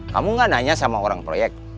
kamu gak nanya sama orang proyek